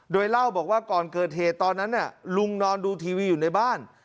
โดยเล่าบอกว่าก่อนเกิดเหตุตอนนั้นลุงนอนดูทีวีอยู่ในบ้าน